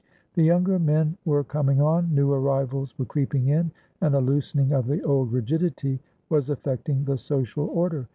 The younger men were coming on, new arrivals were creeping in, and a loosening of the old rigidity was affecting the social order.